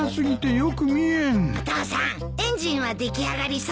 お父さんエンジンは出来上がりそう？